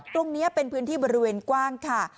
ตรงนี้เป็นพื้นที่บริเวณกว้างค่ะ